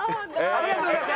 ありがとうございます。